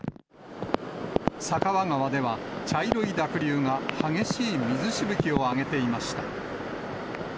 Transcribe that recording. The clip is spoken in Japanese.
酒匂川では、茶色い濁流が激しい水しぶきを上げていました。